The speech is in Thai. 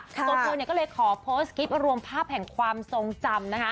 ตัวเธอก็เลยขอโพสต์คลิปรวมภาพแห่งความทรงจำนะคะ